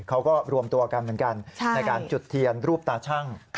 เขาก็รวมตัวกันเหมือนกันในการจุดเทียนรูปตาชั่ง